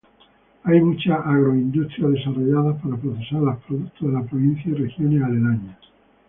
Hay muchas agroindustrias desarrolladas para procesar los productos de la provincia y regiones aledañas.